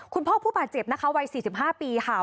คุณพ่อผู้ป่าเจ็บนะคะวัย๔๕ปีค่ะ